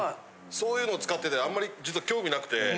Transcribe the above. そういうの使っててあんまり実は興味なくて。